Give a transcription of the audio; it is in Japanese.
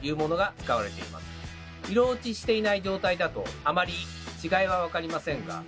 色落ちしていない状態だとあまり違いは分かりませんが。